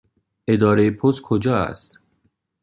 اداره پست کجا است؟